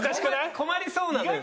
困りそうなのよね。